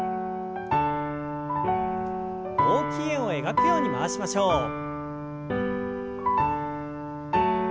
大きい円を描くように回しましょう。